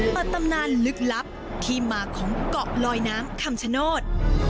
ตำนานลึกลับที่มาของเกาะลอยน้ำคำชโนธ